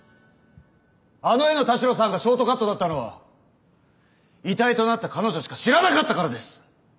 あの絵の田代さんがショートカットだったのは遺体となった彼女しか知らなかったからです！